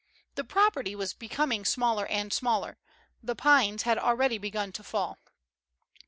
The property was becoming smaller and smaller ; the pines had already begun to fall.